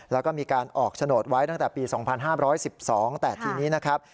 แล้วก็มีการออกโฉนดไว้ตั้งแต่ปี๒๕๑๒แต่ทีนี้นะครับ